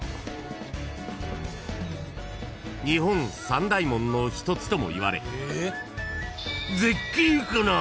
［日本三大門の一つともいわれ］